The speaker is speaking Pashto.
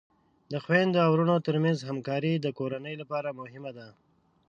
د خویندو او ورونو ترمنځ همکاری د کورنۍ لپاره مهمه ده.